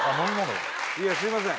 いやすいません。